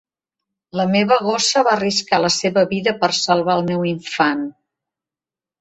La meva gossa va arriscar la seva vida per salvar el meu infant.